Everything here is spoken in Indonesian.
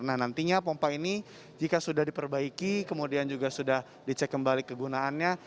nah nantinya pompa ini jika sudah diperbaiki kemudian juga sudah dicek kembali kegunaannya